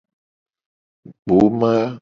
Gboma.